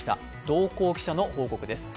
同行記者の報告です。